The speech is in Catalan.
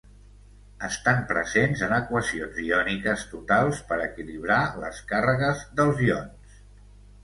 Estan presents en equacions iòniques totals per equilibrar les càrregues dels ions.